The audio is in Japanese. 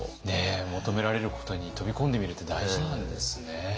求められることに飛び込んでみるって大事なんですね。